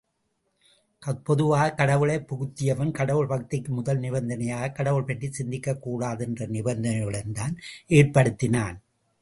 பொதுவாகக் கடவுளைப் புகுத்தியவன், கடவுள் பக்திக்கு முதல் நிபந்தனையாகக் கடவுள் பற்றிச் சிந்திக்கக் கூடாது என்ற நிபந்தனையுடன்தான் ஏற்படுத்தினான்.